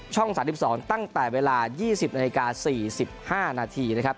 ๓๒ตั้งแต่เวลา๒๐นาฬิกา๔๕นาทีนะครับ